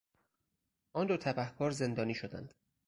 آن دو تبهکار زندانی شدند.